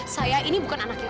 saya ini bukan anaknya